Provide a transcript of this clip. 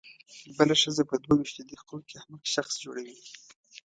بله ښځه په دوه وېشتو دقیقو کې احمق شخص جوړوي.